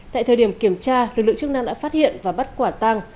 tại thời điểm kiểm tra lực lượng chức năng đã phát hiện và bắt quả tăng